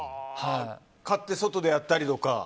買って、外でやったりとか？